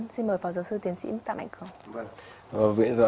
xin mời phó giáo sư tiến sĩ tạm ảnh cường